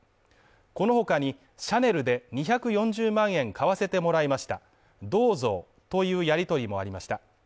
このほかに、シャネルで２４０万円買わせてもらいましたどうぞ、というやり取りもありました。